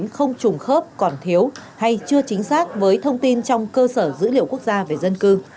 không trùng khớp còn thiếu hay chưa chính xác với thông tin trong cơ sở dữ liệu quốc gia về dân cư